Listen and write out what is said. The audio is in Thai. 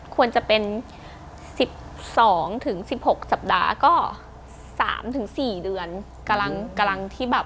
ควรจะเป็น๑๒๑๖สัปดาห์ก็๓๔เดือนกำลังที่แบบ